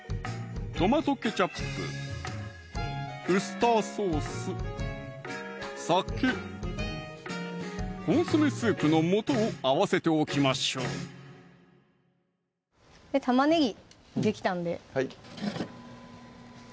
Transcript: トマトケチャップ・ウスターソース・酒・コンソメスープの素を合わせておきましょう玉ねぎできたんではい